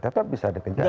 artinya harus bisa dikejar